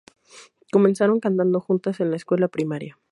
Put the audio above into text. Comenzaron cantando juntas en la escuela primaria.